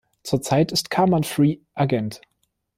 Zurzeit ist Kaman Free Agent.